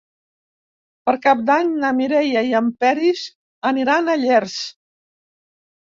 Per Cap d'Any na Mireia i en Peris aniran a Llers.